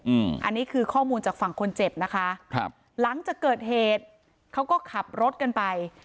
อืมอันนี้คือข้อมูลจากฝั่งคนเจ็บนะคะครับหลังจากเกิดเหตุเขาก็ขับรถกันไป